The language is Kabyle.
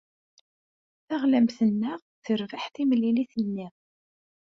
Taɣlamt-nneɣ terbeḥ timlilit-nni.